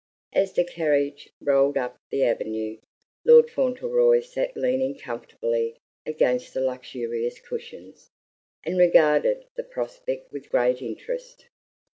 As the carriage rolled up the avenue, Lord Fauntleroy sat leaning comfortably against the luxurious cushions, and regarded the prospect with great interest.